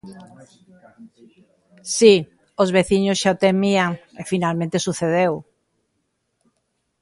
Si, os veciños xa o temían e finalmente sucedeu.